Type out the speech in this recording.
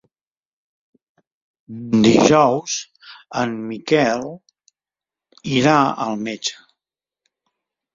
Dijous en Miquel irà al metge.